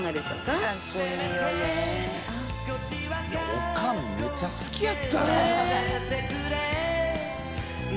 おかんめっちゃ好きやったな。